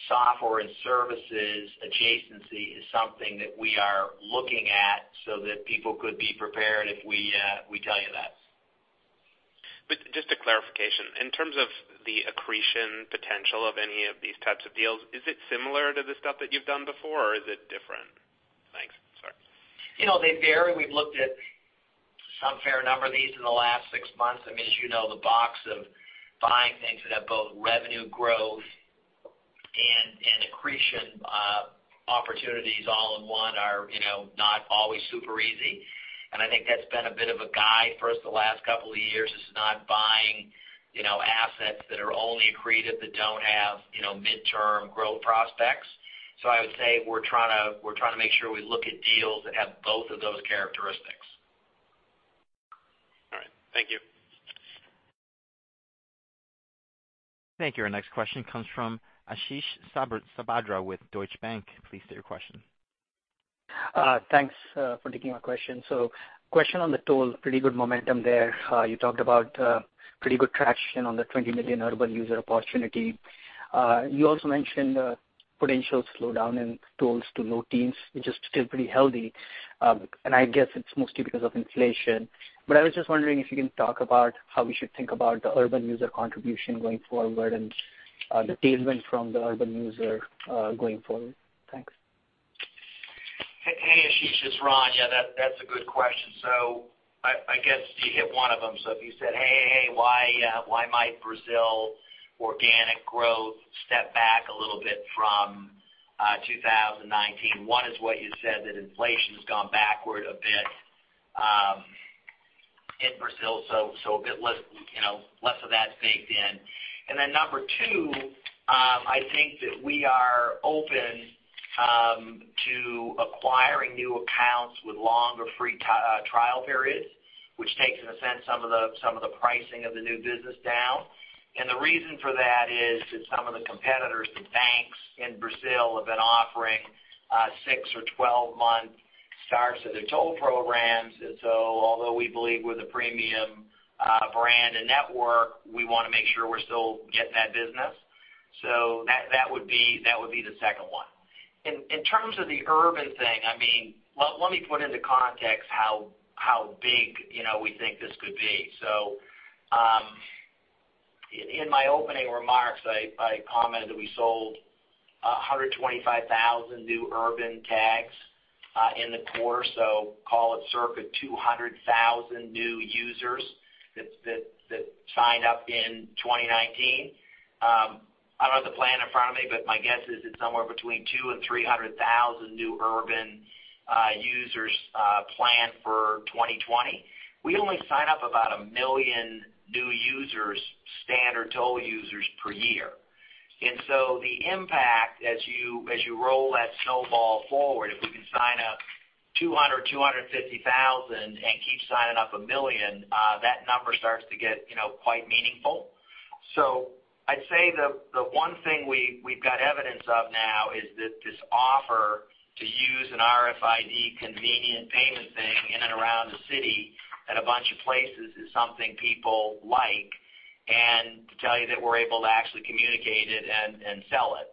software and services adjacency is something that we are looking at so that people could be prepared if we tell you that. Just a clarification. In terms of the accretion potential of any of these types of deals, is it similar to the stuff that you've done before, or is it different? Thanks. Sorry. They vary. We've looked at some fair number of these in the last six months. As you know, the box of buying things that have both revenue growth and accretion opportunities all in one are not always super easy. I think that's been a bit of a guide for us the last couple of years is not buying assets that are only accretive, that don't have midterm growth prospects. I would say we're trying to make sure we look at deals that have both of those characteristics. All right. Thank you. Thank you. Our next question comes from Ashish Sabadra with Deutsche Bank. Please state your question. Thanks for taking my question. Question on the Toll, pretty good momentum there. You talked about pretty good traction on the 20 million annual user opportunity. You also mentioned potential slowdown in tolls to low teens, which is still pretty healthy. I guess it's mostly because of inflation. I was just wondering if you can talk about how we should think about the urban user contribution going forward and the tailwind from the urban user going forward. Thanks. Hey, Ashish, it's Ron. Yeah, that's a good question. I guess you hit one of them. If you said, "Hey, why might Brazil organic growth step back a little bit from 2019?" One is what you said, that inflation's gone backward a bit in Brazil, so a bit less of that baked in. Number two, I think that we are open to acquiring new accounts with longer free trial periods, which takes, in a sense, some of the pricing of the new business down. The reason for that is that some of the competitors, the banks in Brazil, have been offering six or 12-month starts to their toll programs. Although we believe we're the premium brand and network, we want to make sure we're still getting that business. That would be the second one. In terms of the urban thing, let me put into context how big we think this could be. In my opening remarks, I commented that we sold 125,000 new urban tags in the quarter, call it circa 200,000 new users that signed up in 2019. I don't have the plan in front of me, but my guess is it's somewhere between 200,000 and 300,000 new urban users planned for 2020. We only sign up about 1 million new users, standard toll users per year. The impact as you roll that snowball forward, if we can sign up 200,000, 250,000 and keep signing up 1 million, that number starts to get quite meaningful. I'd say the one thing we've got evidence of now is that this offer to use an RFID convenient payment thing in and around the city at a bunch of places is something people like. To tell you that we're able to actually communicate it and sell it.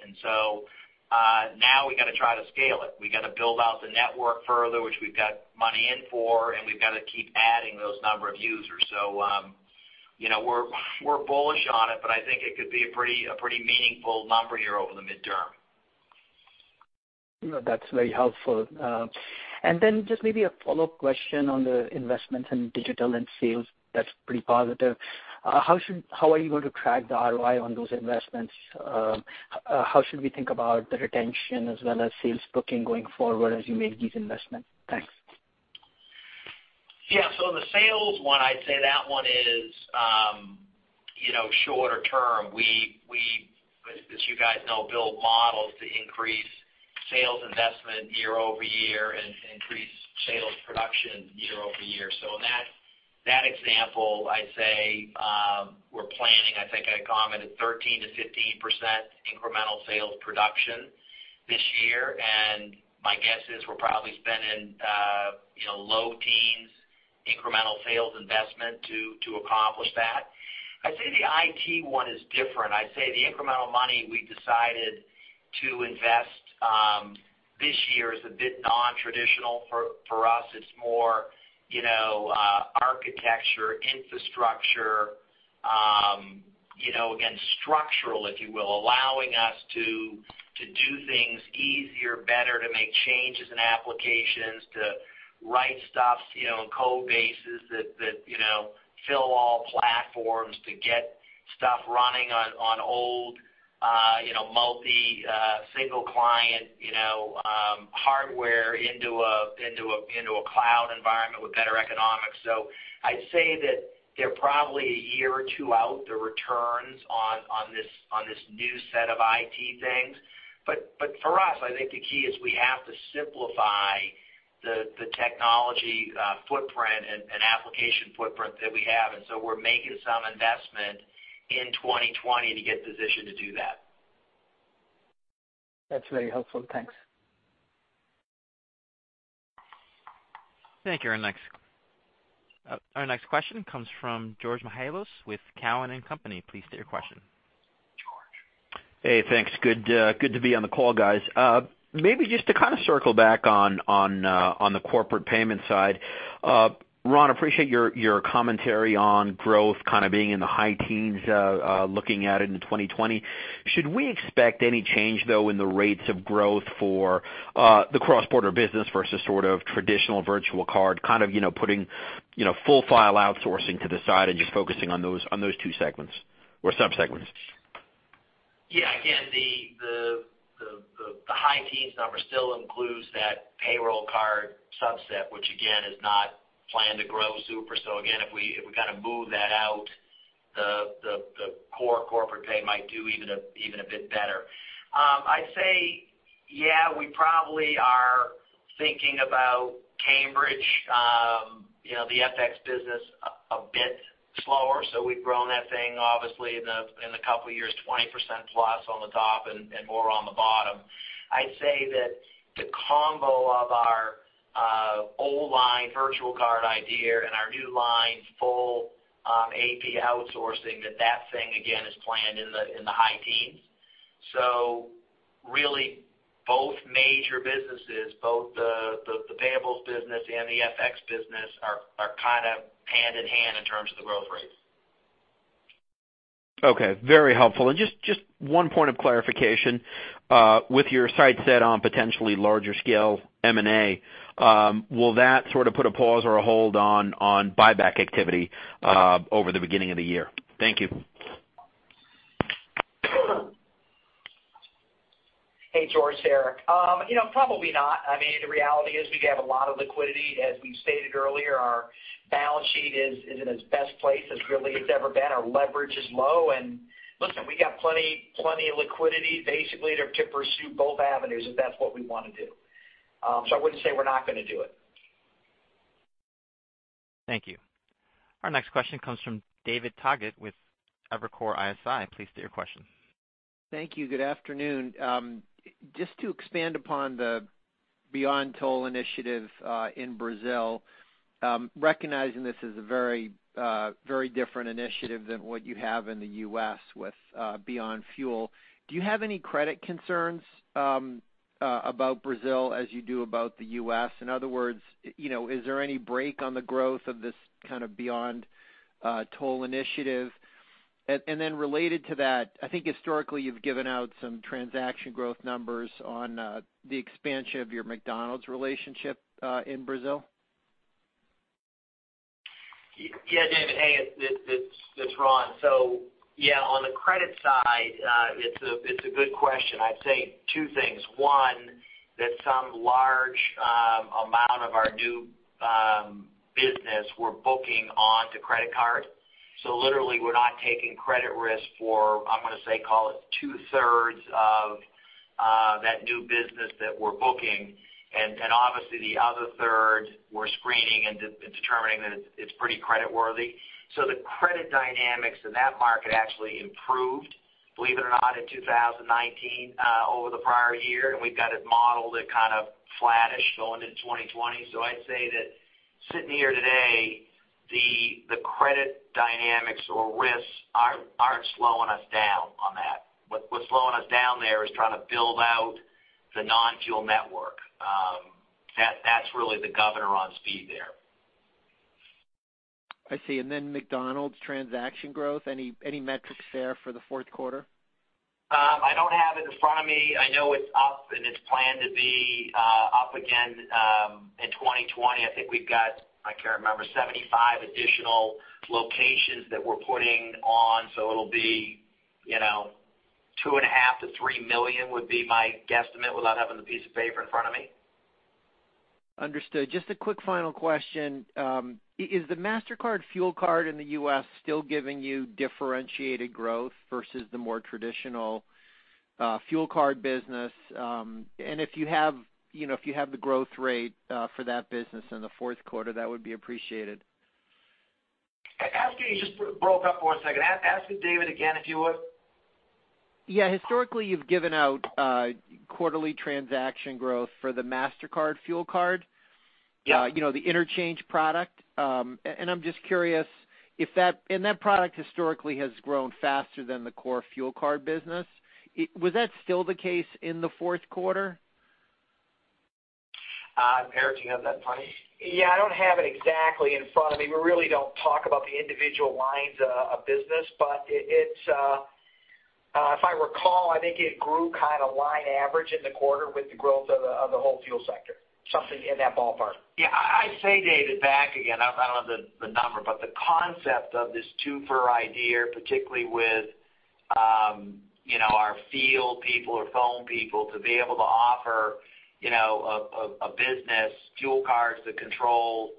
Now we got to try to scale it. We got to build out the network further, which we've got money in for, and we've got to keep adding those number of users. We're bullish on it, but I think it could be a pretty meaningful number here over the midterm. No, that's very helpful. Just maybe a follow-up question on the investment in digital and sales. That's pretty positive. How are you going to track the ROI on those investments? How should we think about the retention as well as sales booking going forward as you make these investments? Thanks. Yeah. The sales one, I'd say that one is shorter term. We, as you guys know, build models to increase sales investment year-over-year and increase sales production year-over-year. In that example, I'd say we're planning, I think I commented 13%-15% incremental sales production this year. My guess is we're probably spending low teens incremental sales investment to accomplish that. I'd say the IT one is different. I'd say the incremental money we decided to invest this year is a bit non-traditional for us. It's more architecture, infrastructure, again, structural, if you will, allowing us to do things easier, better, to make changes in applications, to write stuff in code bases that fill all platforms to get stuff running on old, multi, single client hardware into a cloud environment with better economics. I'd say that they're probably a year or two out, the returns on this new set of IT things. For us, I think the key is we have to simplify the technology footprint and application footprint that we have. We're making some investment in 2020 to get positioned to do that. That's very helpful. Thanks. Thank you. Our next question comes from George Mihalos with Cowen and Company. Please state your question. George. Hey, thanks. Good to be on the call, guys. Just to kind of circle back on the Corpay payment side. Ron, appreciate your commentary on growth kind of being in the high teens looking at it into 2020. Should we expect any change, though, in the rates of growth for the cross-border business versus sort of traditional virtual card, kind of putting full AP outsourcing to the side and just focusing on those two segments or sub-segments? Again, the high teens number still includes that payroll card subset, which again is not planned to grow super. Again, if we kind of move that out, the core corporate pay might do even a bit better. I'd say, we probably are thinking about Cambridge, the FX business a bit slower. We've grown that thing obviously in a couple of years, 20%+ on the top and more on the bottom. I'd say that the combo of our old line virtual card idea and our new line full AP outsourcing, that thing again is planned in the high teens. Really both major businesses, both the payables business and the FX business are kind of hand in hand in terms of the growth rates. Okay. Very helpful. Just one point of clarification, with your sights set on potentially larger scale M&A, will that sort of put a pause or a hold on buyback activity over the beginning of the year? Thank you. Hey, George here. Probably not. The reality is we have a lot of liquidity. As we stated earlier, our balance sheet is in as best place as really it's ever been. Our leverage is low, and listen, we got plenty of liquidity basically to pursue both avenues if that's what we want to do. I wouldn't say we're not going to do it. Thank you. Our next question comes from David Togut with Evercore ISI. Please state your question. Thank you. Good afternoon. Just to expand upon the Beyond Toll initiative, in Brazil, recognizing this is a very different initiative than what you have in the U.S. with Beyond Fuel, do you have any credit concerns about Brazil as you do about the U.S.? In other words, is there any break on the growth of this kind of Beyond Toll initiative? Related to that, I think historically you've given out some transaction growth numbers on the expansion of your McDonald's relationship in Brazil. Yeah, David. Hey, it's Ron. Yeah, on the credit side, it's a good question. I'd say two things. One, that some large amount of our new business we're booking onto credit card. Literally we're not taking credit risk for, I'm going to say, call it two-thirds of that new business that we're booking. Obviously the other third we're screening and determining that it's pretty credit worthy. The credit dynamics in that market actually improved, believe it or not, in 2019 over the prior year, and we've got it modeled at kind of flattish going into 2020. I'd say that sitting here today, the credit dynamics or risks aren't slowing us down on that. What's slowing us down there is trying to build out the non-fuel network. That's really the governor on speed there. I see. Then McDonald's transaction growth, any metrics there for the fourth quarter? I don't have it in front of me. I know it's up and it's planned to be up again in 2020. I think we've got, I can't remember, 75 additional locations that we're putting on, so it'll be, $2.5 million-$3 million would be my guesstimate without having the piece of paper in front of me. Understood. Just a quick final question. Is the Mastercard fuel card in the U.S. still giving you differentiated growth versus the more traditional fuel card business? If you have the growth rate for that business in the fourth quarter, that would be appreciated. You just broke up for one second. Ask it David again, if you would. Yeah. Historically, you've given out quarterly transaction growth for the Mastercard fuel card- Yeah The interchange product. I'm just curious, and that product historically has grown faster than the core fuel card business. Was that still the case in the fourth quarter? Eric, do you have that in front of you? Yeah, I don't have it exactly in front of me. We really don't talk about the individual lines of business, but if I recall, I think it grew kind of line average in the quarter with the growth of the whole fuel sector. Something in that ballpark. Yeah, I'd say, David, back again, I don't have the number, but the concept of this two-fer idea, particularly with our field people or phone people to be able to offer a business fuel cards to control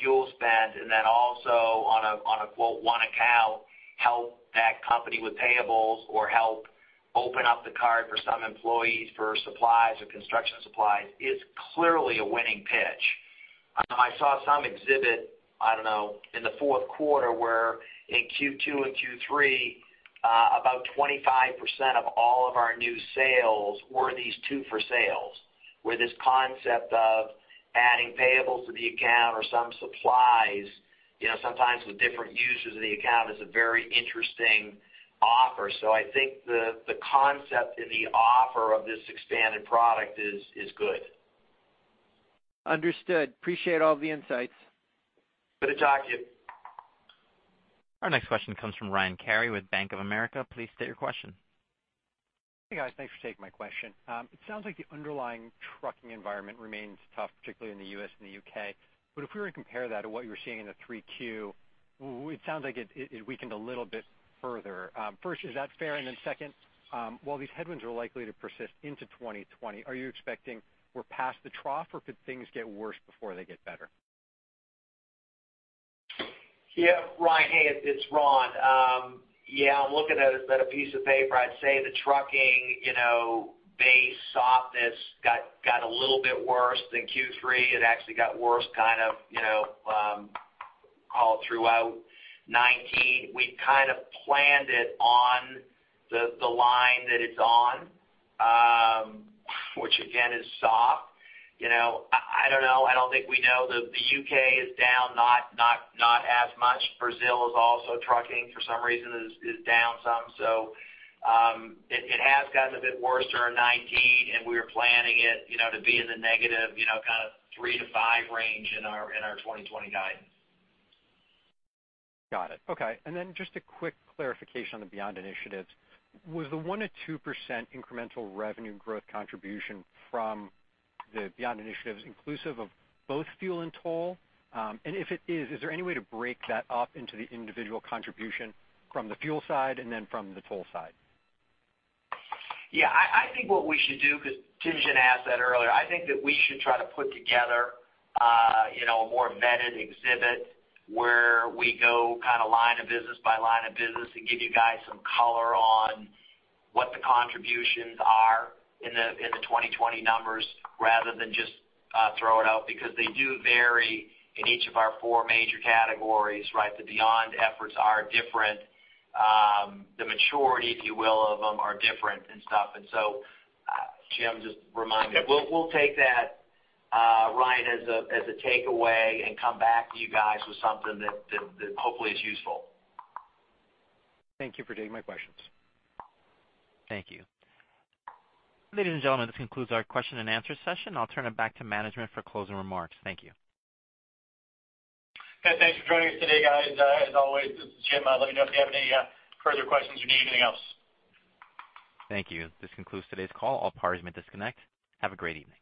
fuel spend and then also on a one account help that company with payables or help open up the card for some employees for supplies or construction supplies is clearly a winning pitch. I saw some exhibit in the fourth quarter where in Q2 and Q3, about 25% of all of our new sales were these two for sales, where this concept of adding payables to the account or some supplies, sometimes with different users of the account is a very interesting offer. So I think the concept in the offer of this expanded product is good. Understood. Appreciate all the insights. Good to talk to you. Our next question comes from Ryan Carey with Bank of America. Please state your question. Hey, guys. Thanks for taking my question. It sounds like the underlying trucking environment remains tough, particularly in the U.S. and the U.K. If we were to compare that to what you were seeing in the 3Q, it sounds like it weakened a little bit further. First, is that fair? Second, while these headwinds are likely to persist into 2020, are you expecting we're past the trough or could things get worse before they get better? Yeah, Ryan. Hey, it's Ron. Yeah, I'm looking at a piece of paper. I'd say the trucking base softness got a little bit worse than Q3. It actually got worse All throughout 2019, we kind of planned it on the line that it's on, which again, is soft. I don't know. I don't think we know. The U.K. is down not as much. Brazil is also, trucking for some reason is down some. It has gotten a bit worse during 2019, and we were planning it to be in the -3% to -5% range in our 2020 guidance. Got it. Okay. Just a quick clarification on the Beyond initiatives. Was the 1%-2% incremental revenue growth contribution from the Beyond initiatives inclusive of both fuel and toll? If it is there any way to break that up into the individual contribution from the fuel side and then from the toll side? Yeah, I think what we should do, because Tien-Tsin asked that earlier, I think that we should try to put together a more vetted exhibit where we go kind of line of business by line of business and give you guys some color on what the contributions are in the 2020 numbers rather than just throw it out because they do vary in each of our four major categories, right? The Beyond efforts are different. The maturity, if you will, of them are different and stuff. Jim, just remind me. We'll take that, Ryan, as a takeaway and come back to you guys with something that hopefully is useful. Thank you for taking my questions. Thank you. Ladies and gentlemen, this concludes our question and answer session. I'll turn it back to management for closing remarks. Thank you. Yeah, thanks for joining us today, guys. As always, this is Jim. Let me know if you have any further questions or need anything else. Thank you. This concludes today's call. All parties may disconnect. Have a great evening.